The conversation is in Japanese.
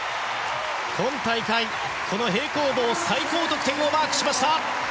今大会、この平行棒最高得点をマークしました！